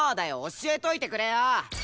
教えといてくれよ！